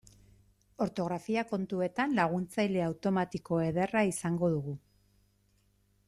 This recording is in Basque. Ortografia kontuetan laguntzaile automatiko ederra izango dugu.